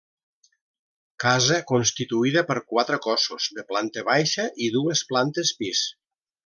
Casa constituïda per quatre cossos, de planta baixa i dues plantes pis.